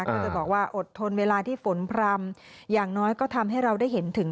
ก็เลยบอกว่าอดทนเวลาที่ฝนพร่ำอย่างน้อยก็ทำให้เราได้เห็นถึง